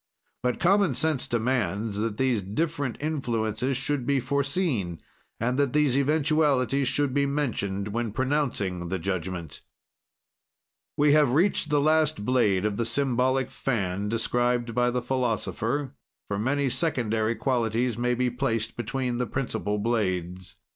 "But common sense demands that these different influences should be foreseen, and that these eventualities should be mentioned when pronouncing the judgment." We have reached the last blade of the symbolic fan, described by the philosopher, for many secondary qualities may be placed between the principle blades.